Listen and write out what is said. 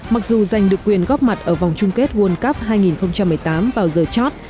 mặc dù giành được quyền góp mặt ở vòng chung kết world cup hai nghìn một mươi tám vào giờ chót